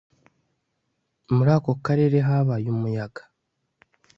Muri ako karere habaye umuyaga